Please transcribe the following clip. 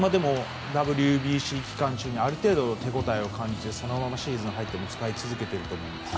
ＷＢＣ期間中にある程度手応えを感じてそのままシーズンに入っても使い続けていると。